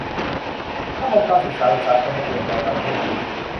ระบบการศึกษาแบบสากลจะเปลี่ยนแปลงประเทศนี้